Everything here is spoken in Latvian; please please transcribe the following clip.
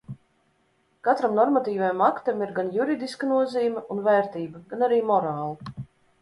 Katram normatīvajam aktam ir gan juridiska nozīme un vērtība, gan arī morāla.